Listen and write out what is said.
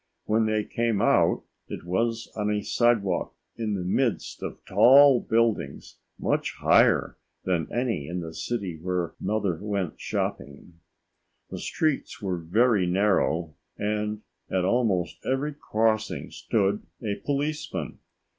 When they came out, it was on a sidewalk in the midst of tall buildings, much higher than any in the city where Mother went shopping. The streets were very narrow and at almost every crossing stood a policeman.